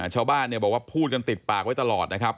ชาวบ้านเนี่ยบอกว่าพูดกันติดปากไว้ตลอดนะครับ